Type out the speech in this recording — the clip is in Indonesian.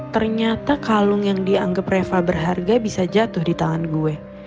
ternyata kalung yang dianggap reva berharga bisa jatuh di tangan gue